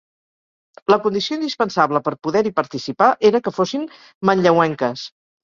La condició indispensable per poder-hi participar era que fossin manlleuenques.